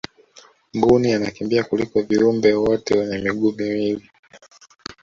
mbuni anakimbia kuliko viumbe wote wenye miguu miwili